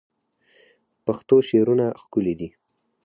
پښتو شعرونه ښکلي دي